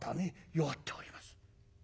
「弱っております」。